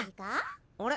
あれ？